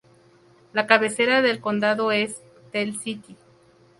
La cabecera del condado es Tell City.